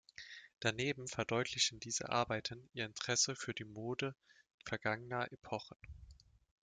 Daneben verdeutlichen diese Arbeiten ihr Interesse für die Mode vergangener Epochen.